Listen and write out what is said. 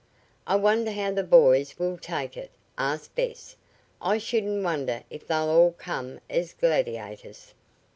"I wonder how the boys will take it?" asked Bess. "I shouldn't wonder if they all came as gladiators."